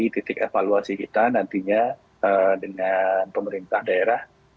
titik evaluasi kita nantinya dengan pemerintah daerah